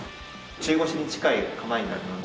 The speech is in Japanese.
中腰に近い構えになるので。